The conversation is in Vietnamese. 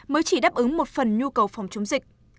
mới chỉ đáp ứng một phần nhu cầu phòng chống dịch